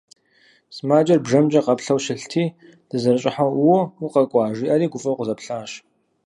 Сымаджэр бжэмкӀэ къаплъэу щылъти, сызэрыщӀыхьэу «Уо, укъэкӀуа!» жиӀэри гуфӀэу къызэплъащ.